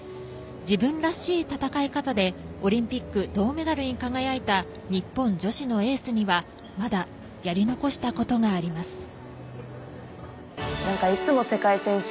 自分らしい戦い方でオリンピック銅メダルに輝いた日本女子のエースにはまだやり残したことがあります。